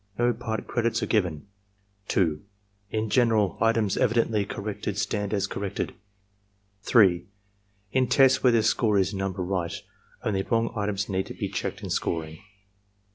No part credits are given. 2. In general, items evidently corrected stand as corrected. 3. In tests where the score is "Number Right," only wrong items need be checked in scoring.